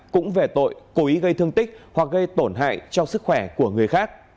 cũng về tội cố ý gây thương tích hoặc gây tổn hại cho sức khỏe của người khác